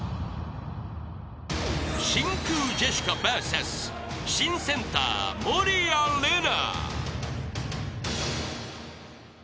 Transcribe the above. ［真空ジェシカＶＳ新センター守屋麗奈］